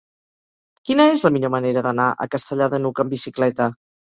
Quina és la millor manera d'anar a Castellar de n'Hug amb bicicleta?